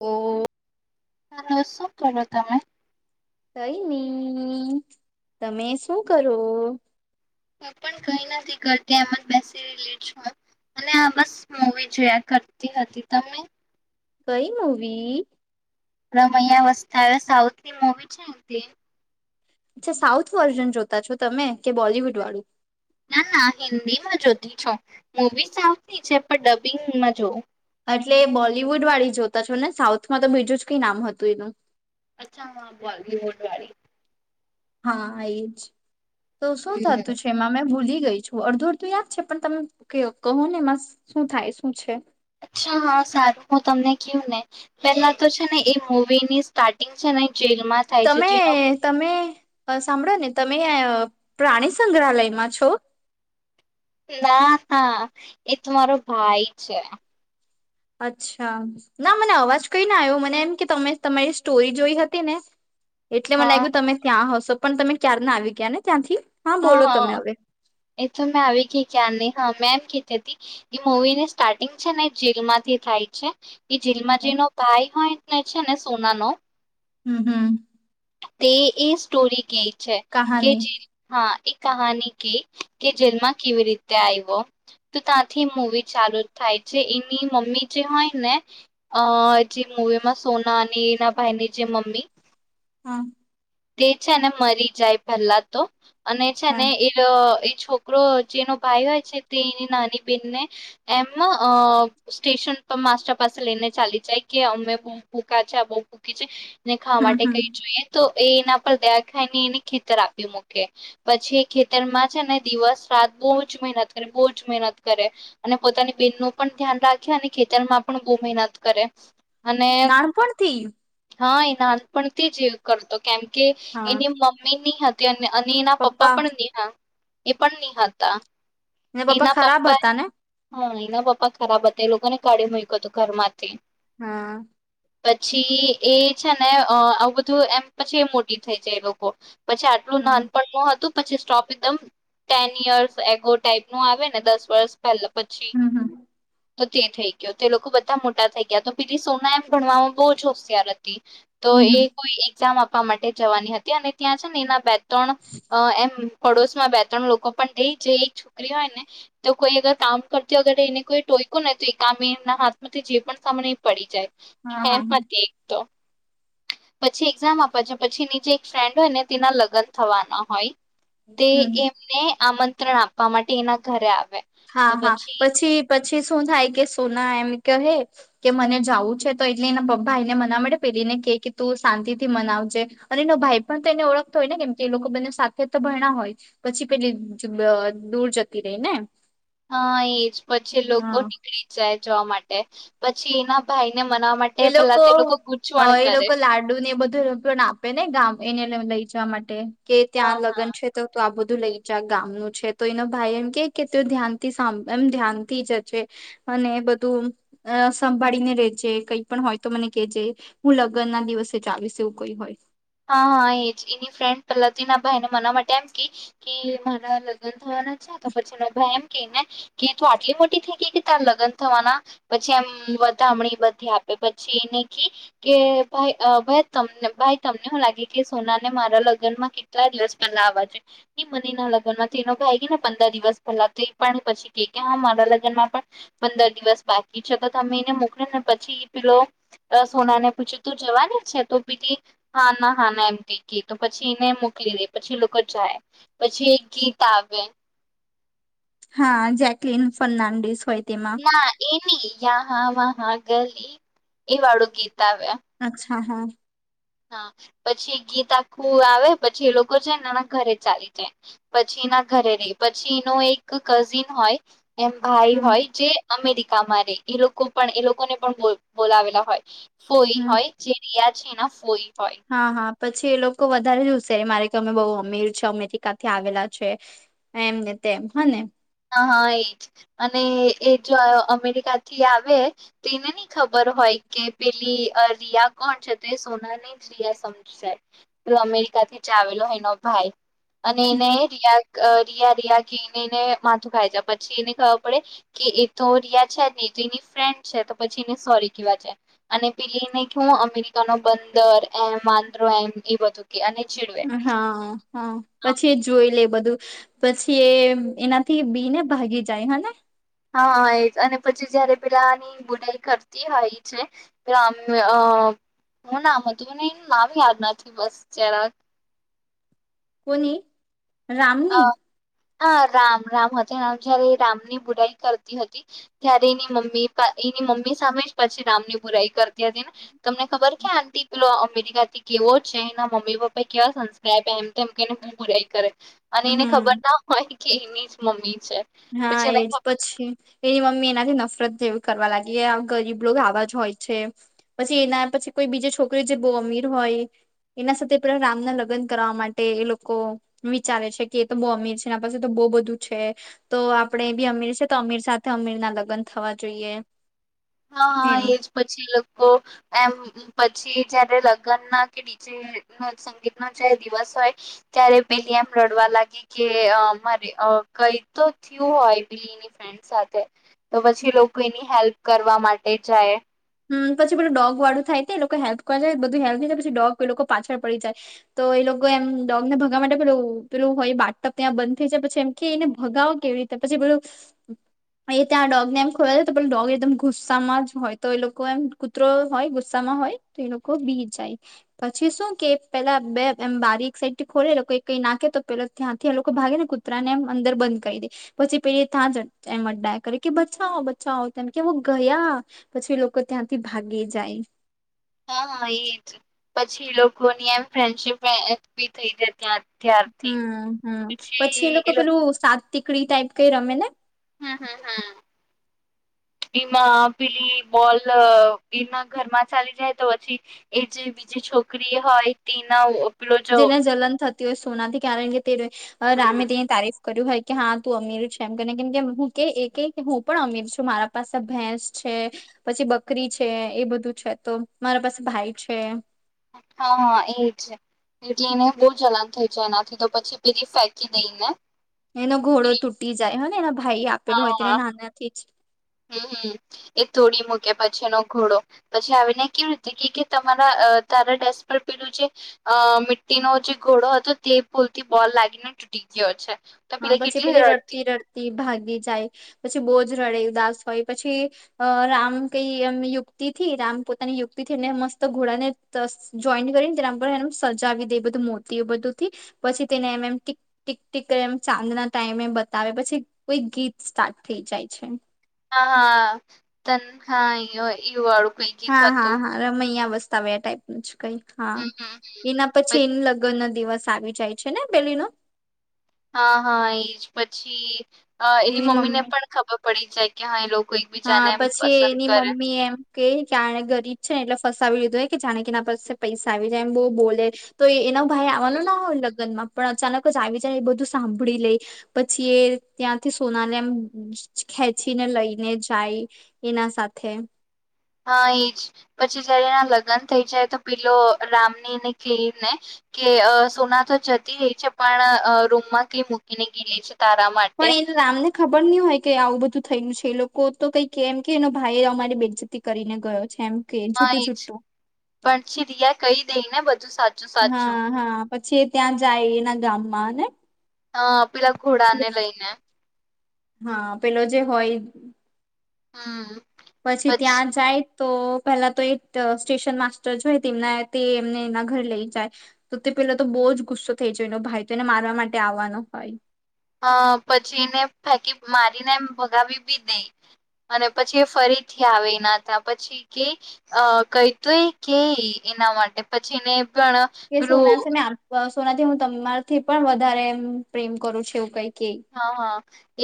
ઓ hello શું કરો તમે કઈ નીઈઈઈ... તમે શું કરો. હું પણ કઈ નથી કરતી એમ જ બેસી રેલી છું અને આ બસ મુવી જોયા કરતી હતી તમે? કઈ મૂવી.....? રામૈયા વસ્તાવૈયા સાઉથની મૂવી છે તે. અચ્છા સાઉથ વર્ઝન જોતા છો તમે કે બોલવુડ વાળું? ના ના હિન્દી માં જોતી છો મુવી સાઉથ ની છે પણ ડબિંગમાં જોવ. એટલે બોલીવુડ વાળી જોતા છો ને સાઉથમાં તો બીજું જ કઈ નામ હતું એનું. અચ્છા રીમોટવાળી. હા એજ તો શું હમ્મ થતું છે એમાં મેં ભૂલી. ગઈ છું અડધો અડધું યાદ છે પણ તમે કે કહો ને મા શું થાય શું છે. અચ્છા હા સારું હું તમને કહું ને પેલા તો છે ને એ મુવી ની સ્ટાર્ટિંગ છે ને જેલમાં થાય છે તમે જેનો તમે સાંભળો ને તમે. પ્રાણી સંગ્રહાલયમાં છો ના હા એ તો મારો ભાઈ છે. અચ્છા ના મને અવાજ કઈ ના આવ્યો મને એમ કે તમે તમારી સ્ટોરી જોઈ હતી ને એટલે મને હા લાગ્યું તમે ત્યાં હશો પણ તમે ક્યાર ના આવી ગયા ને ત્યાંથી. બોલો હા તમે હવે હ એ તો મે આવી ગી ક્યાર ની હા મે એમ કી કેતી એ મૂવી ની સ્ટાર્ટિંગ છે ને જેલમાંથી થાય છે. એ જેલમાં જેનો ભાઈ હોય ને છે ને સોના નો હમ્મ હમ. તે એ સ્ટોરી કેય છે કે કહાની જે હા એ કહાની કે કે જેલમાં કેવી રીત તે આવ્યો તો ત્યાંથી મુવી ચાલુ જ થાય છે એની મમ્મી જે હોય ને આ જે મૂવીમાં સોના ને એ ના ભાઈ ને જે મમ્મી હા તે છે ને મરી જાય પહેલા તો અને છે હા ને એ લો એ છોકરો જેનો ભાઈ હોય છે તે એની નાની બેહેનને એમ અ સ્ટેશન તો માસ્ટર પાસે લઈને ચાલી જાય કે અમે બહું ભૂકા છે આ બહુ ફૂકી છે. ને ખાવા હમ માટે હમ કઈ જોઈએ તો એ એના પર દયા ખાઈને એને ખેતર આપ્યું મૂકે પછી એ ખેતર માં છે ને દિવસ રાત બહું જ મહેનત કરે બહુ જ મહેનત કરે અને પોતાની બેન નું પણ ધ્યાન રાખે અને ખેતરમાં પણ બઉ મહેનત કરે. અને નાનપણથી હા એ નાનપણથી જ એ કરતો કેમ કે હા એની મમ્મી ની હતી. અને એના પપ્પા પણ નીહા એ પણ નિ હતા. ને એના ખરાબ પપ્પા હતા ને હા એના પપ્પા ખરાબ હતા એ લોકોને કાઢી મૂયકોતો ઘર માંથી. હા. પછી એ છે ને આ આવું બધું એમ પછી એ મોટી થઈ જાય એ લોકો. પછી આટલું હમ નાનપણ ન હતું પછી સ્ટોપ એકદમ ટેન યર્સ એ ગોટ ટાઈપ નું આવે ને દસ વર્ષ પહેલા પછી. હમ હમ તો તે થઈ ગયો તે લોકો બધા મોટા થઈ ગયા તો પી સોના એમ ભણવામાં બહુ જ હોશિયાર હા તી તો હમ એ હમ કોઈ એક્ઝામ આપવા માટે જવાની હતી અને ત્યાં છે ને એના બેચ ત્રણ અ એમ પડોશ માં બે ત્રણ લોકો પણ તે જે એક છોકરી હોય ને તો કોઈ અગર કામ કરતી અગર એને કોઈ ટો ટોયકુ ને તો એ કામ એના હાથમાંથી જે પણ સામાન એ પડી જાય હા એમ હા હા હતી એક તો પછી એક્ઝામ આપે છે પછી એની જે એક ફ્રેન્ડ હોય ને તેના લગન થવાના હોય. તે હમ એમને આમંત્રણ આપવા માટે એના ઘરે આવ હા હા પછી પ પછી શું થાય કે સોના એમ કહે કે મને જાવું છે તો એટલે એના પપ્પા એને મનાવા માટે પેલી ને કે કે તું શાંતિ થી મનાવજે અને એનો ભાઈ પણ તેને ઓળખતો હોય ને કેમ કે એ લોકો બંનેવ સાથે તો ભણ્યા ના હોય પછી પેલી આ દૂર જતી રઈ ને. હા એજ પછી લોકો હા નીકળી જાય જવા માટે પછી એના ભાઈ એ લોકો અ એ કરે લોકો લાડુ ને એ બધું [unintelligible] આપે ને ગામ એને એ લઈ જવા માટે કે હા ત્યાં હા લગન છે તો આ બધું તું લઈ જા ગામ નું છે તો એનો ભાઈ એમ કે કે તુ ધ્યાનથી સાભ એમ ધ્યાનથી જ જે. અને બધું અ સંભાળી ને રેજે કઈક પણ હોય તો મને કેજ હું લગન ના દિવસે જાવીશ એવું કઈ હોય. હા હા એજ એની ફ્રેન્ડ પહેલા તે એના ભાઈને મનાવા માટે એમ કે કે મારા લગ્ન થયા અને છે ને પછી એનો ભાઈ એમ કેય ને કે તુ આટલી મોટી થઈ ગઈ કે તાર લગન થવાના પછી એમ વધામણી બધી આપે પછી એને કી કે ભાઈ ભાઈ તમને ભાઈ તમને હુ લાગે કે સોના ને મારા લગન માં કેટલા દિવસ પહેલા આવવા જોઈએ ઈ કરીને લગ્નમાંથી એનો ભાઈ તુ આઈવી ને પંદર દિવસ પેલા તો ઈ પણ પછી કે કે હા મારા લગનમાં પણ પંદર દિવસ બાકી છે. તો તમે એને મોકલો ને પછી ઈ પેલો અ સોના ને પૂછે તું જવાની છે તો પેલી હા ના હા ના એમ કે તો પછી એને મોકલી દે પછી એ લોકો જાય પછી એક ગીત આવે [inaudible] હા જેકલીન ફર્નાન્ડીસ હોય. તેમાં ના એ નઈ યહા વહા ગલી, એ વાળું ગીત આવે. હા હા. હા પછી ગીત આખું આવે પછી એ લોકો છે ન ઘરે ચાલી જાય. પછી ના ઘરે રહે પછી એનો એક કઝિન હોય એમ ભાઈ હમ હોય જે અમેરિકામાં રે એ લોકો પણ એ લોકોને પણ બોલ બોલાવેલા હોય. ફોઈ હમ હોય જે રિયા છે એના ફોઈ. હોય હા હા. પછી એ લોકો વધારે જ હુશિયારી મારે કે અમે બહુ અમીર [unintelligible] અમેરિકાથી આવેલા છે, એમને. તેમ હને. હઅ એજ અને એ જો અમેરિકા થી આવે તેને નઈ ખબર હોય. કે પેલી અ રિયા કોણ છે તે સોના ની જ રિયા સમજી જાય. એ અમેરિકાથી ચાવેલો એનો ભાઈ અને એને હમ રિયા અઅ રિયા રિયા કઈ ને એને મા થાય. પછી એને ખબર પડે કે એ તો રિયા છે જ નઈ એતો એની ફ્રેન્ડ છે તો પછી એને સોરી કી અને પેલીને કે હું અમેરિકા નો બંદર એમ વાંદરો એમ એ બધું કે અને ચીડવે હાઆ હા પછી એ જોઈ લે એ બધું. પછી એ એનાથી બી ને ભાગી જાય [unintelligible] હા એજ અને પછી જયારે પેલાની બુરાઈ કરતી હોય છે તો આમ અ હું નામ હતું મને એનું નામ યાદ નથી બસ જરાક. કોની? રામની? હા રામ રામ [unintelligible] જયારે એ રામની બુરાઈ કરતી હતી ત્યારે એની મમ્મી એની ની મમ્મી સામે જ પછી રામની બુરાઈ કરતી હતી ને. તમને ખબર છે આંટી પેલો અમિત [unintelligible] કેવો છે એના મમ્મી પપ્પા એ કેવા સંસ્કાર આપ્યા એમ તેમ કઈને બુરાઈ કરે. અને એને હમ ખબર ના હોય કે એની જ મમ્મી. છે હા પછી એને એજ ખબર પછી એની મમ્મી એનાથી નફરત જેવ કરવા લાગી આમ ગરીબ લોગ આવા જ હોય છે, પછી એના પછી કોઈ બીજે છોકરી જે બઉ અમીર હોય. [unintelligible] એના સાથે પેલા રામના લગન કરાવા માટે એ લોકો વિચારે છે, કે એ તો બઉ અમીર છે, એના પાસે તો બો બધું છે તો આપડે બી અમીર છે તો અમીર સાથે અમીર ના લગ્ન થવા જોઈએ બો હા હા એજ પછી લોકો એમ પછી પછી જયારે લગ્ન ના કે ડીજે સંગીત ના જારે દિવસ હોય ત્યારે પેલીમ રડવા લાગી કે અમારે કઈ તો થયું હોય બીની ફ્રેન્ડ સાથે તો પછી લોકો એની હેલ્પ કરવા માટે જાય હમ પછી બધું ડોગ વાળું થાય તો એ લોકો હેલ્પ કરે જાય બધું હેલ્પ થઈ જાય પછી ડોગ એ લોકો પાછળ પડી જાય તો એમ ડોગ ને ભગવા માટે પેલું પેલું હોય બાટપ ત્યાં બંધ થઈ જાય પછી એમ કે એને ભગાવો કેવી રીતે પછી પેલુ એ ત્યાં ડોગને એમ ખોલો તો પેલુ ડોગ એકદમ ગુસ્સામાં જ હોય તો એ લોકો એમ કૂતરો હોય ગુસ્સામાં હોય તો એ લોકો બી જાય પછી શું કે પેલા બે એમ બારીક સાઈડ થી ખોલે લોકો કઈ નાખે તો પેલા ત્યાં થી એ લોકો ભાગે ને કૂતરાને એમ અંદર બંધ કરી દે પછી પેલી તાં જ એમ ડાઇ કરી કે બચાવો બચાવો તેમ કેવુ ગયા પછી લોકો ત્યાંથી ભાગી જાય હા હા એ જ પછી લોકો ની એમ ફ્રેન્ડશીપ બી થઈ જાય ત્યા જ હમ હમ પછી એ લોકો પેલું સાતટીકડી ટાઈપ કઈ રમે ને હમ હમ હમ એમાં પેલી બોલ એના ઘરમાં ચાલી જાય તો પછી એ જે બીજી છોકરી હોય તેના પેલો જો જેને જલન થતી હોય સોનાથી કારણ કે હમ રમે તેની તારીખ કર્યું હોય કે હા તું અમીર છે એમ કરીને કેમ કે હું કે એ કે હું પણ અમીર છું મારા પાસે ભેશ છે એ પછી બકરી છે એ બધું છે તો મારા પાસે ભાઈ છે હા હા એજ એટલીને બહુ જલન થઈ જાય એનાથી તો પછી પેલી ફેંકી દઈ ને એનો ઘોડો તૂટી જાય હ ને એના ભાઈ આપેલું હોય હા તેને નાનાથી જ હમ હમ એ થોડી કે પછી એનો ઘોડો પછી આવીને કેવી રીતે કે કે તમારા તારા ડેસ પર પેલું છે અ મીટી નો જે ઘોડો હતો તે ભુલથી બોલ લાગીને તૂટી ગયો છે હા પછી પેલી રડતી રડતી ભાગી એ જાય પછી બોજ રડે ઉદાસ હોય પછી રામ કઈ એમ યુક્તિ થી આમ પોતાની યુક્તિથી ને મસ્ત ઘોડા ને જોઈન્ટ કરીને તેના પર સજાવી દે એ બધું મોતી બધું થી પછી તેને એમ એમ ટી ટીક ટીક એ ચાંદ ના ટાઈમે બતાવે પછી કોઈ ગીત સ્ટાર્ટ થઈ જાય છે હા હા તને એ વાળું કઈક હા હા હતું હા રમૈયા વસ્તાવૈયા ટાઈપ નું કઈ હા હમ હમ એના પછી એનું લગ્ન દિવસ આવી જાય છે ને પેલી નુ હા હા એજ પછી એની મમ્મી ને પણ ખબર પડી જાય કે હા એ લોકો હા એકબીજાને એમ પછી પસંદ એની કરે મમ્મી એમ કે આને ગરીબ છે ને એટલે ફસાવે આની લીધે કે જાણે કે એના પાસે પૈસા આવી જાય એમ બહુ બોલે તો એનો ભાઈ આવાનો ના હોય લગ્ન માં પણ અચાનક જ આવી જાય એ બધું સાંભળી લે પછી એ ત્યાંથી સોનાને એમ ખેંચીને લઈને જાય એના સાથે હા એજ પછી જયારે એના લગ્ન થઈ જાય તો પેલો રામ ની ને ક્હૅ ને કે સોના તો જતી રહી છે પણ રૂમમાં કઈ મૂકીને ગઈ છે તારા માટે બન્યુ હોય કે આવું બધું થયું છે લોકો તો કઈ કેમ કે એનો ભાઈ અમારી બેઇજતી કરીને ગયો જેમ કે હા છૂટું એજ છૂટું પણ પછી રિયા કહી દઈ ને બધું સાચું સાચું હા હા પછી એ ત્યાં જાય એના ગામમાં ને હ પેલા ઘોડાને લઈને હા પેલો જે હોય હમ પછી ત્યાં જાય તો પહેલા તો એક સ્ટેશન માસ્ટર જોય તેમના તે એમને એના ઘરે લઈ જાય તો તે પેલો તો બહુ જ ગુસ્સો થઈ જ એનો ભાઈ તો એને મારવા માટે આવવાનો હોય અ પછીને ફેકી મારીને એ ભગાવી બી દઈ અને પછી એ ફરીથી આવે ના હતા પછી કે અ કહેતુંય કે એના માટે પછીને પણ પેલું તોનાથી હું તમારથી પણ વધારે પ્રેમ કરું છું એવું કઈક હા હા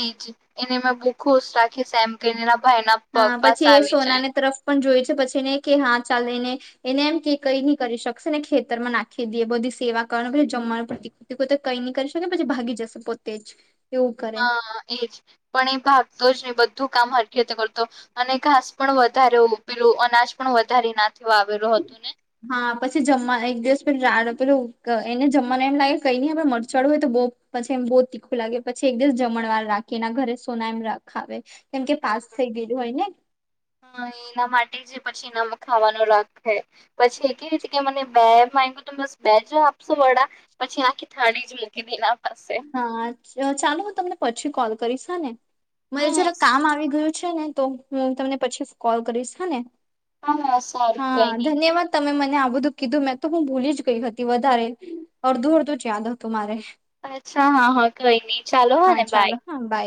એજ એને મેં બુ ખુશ રાખી એમ કહીને ભાઈ ના હા પપાસે પછી એ આવી જાય સોનાને તરફ પણ જોય છે પછીને કે હા ચા એને એને એમ કે કઈ નહી કરી શકશે ને ખેતરમાં નાખી દઈએ બધી સેવા કરવાનું પછી જમવાનું પ્રતિકૃ કઈ નહી કરી શકે પછી ભાગી જશે પોતે જ એવું કરે હા એજ પણ એ ભાગતો જ ને બધ ધું કામ હરકીતે કરતો અને ઘાસ પણ વધારે પેલું અનાજ પણ વધારે ના હા પછી જમવા એક દિવસ પેલું એને જમવા એમ લાગે કઈ નઈ આપડ મરચાડું હોય તો બહુ પછી એમ બહુ તીખું લાગે પછી એક દિવસ જમા ણવાર રાખી એ ના ઘરે સોના એમખાવે કેમ કે પાસ થઈ ગયું હોય ને ખાવાનું રાખે પછી એ કે કે મને બે તો બસ બે જ આપશો વડા પછી આખી થાળડી જ મૂકી દે પાસે હા ચાલો હું તમને પછી કોલ કરીશ હ ને મને હા જરા કામ આવી ગયું છે ને તો હું તમને પછી કોલ કરીશ હા ને હા હા સારું હા કઈ નઈ ધન્યવાદ તમે મને આ બધું કીધું મેં તો હું ભૂલી જ ગઈ હતી વધારે અડધું અડધું જ યાદ હતું મારે અચ્છા હા હા કઈ નઈ ચાલો હા ને બાય ચાલો હા બાય